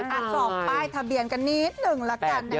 สอบป้ายทะเบียนกันนิดหนึ่งละกันนะคะ